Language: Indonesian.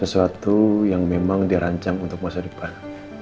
sesuatu yang memang dirancang untuk masa depan